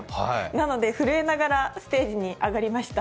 なので、震えながらステージに上がりました。